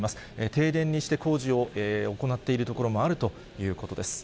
停電にして工事を行っている所もあるということです。